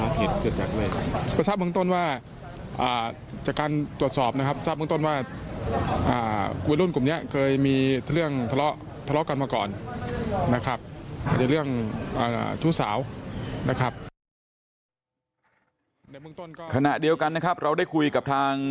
แต่ทราบเมืองต้นว่าอ่าจากการตรวจสอบนะครับ